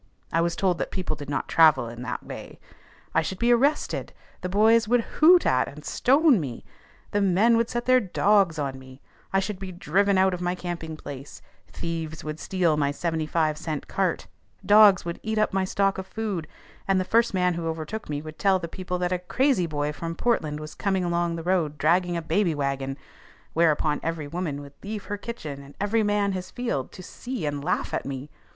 I was told that people did not travel in that way; I should be arrested; the boys would hoot at and stone me; the men would set their dogs on me; I should be driven out of my camping place; thieves would steal my seventy five cent cart; dogs would eat up my stock of food; and the first man who overtook me would tell the people that a crazy boy from Portland was coming along the road dragging a baby wagon, whereupon every woman would leave her kitchen, and every man his field, to see and laugh at me.